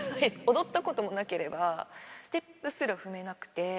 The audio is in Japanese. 踊ったこともなければ、ステップすら踏めなくて。